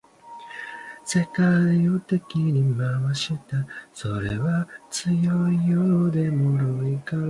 克尼格斯布吕克是德国萨克森州的一个市镇。